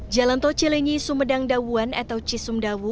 jalan tol cilenyi sumedang dawuan atau cisumdawu